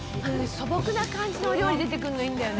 素朴な感じのお料理出てくるのいいんだよね。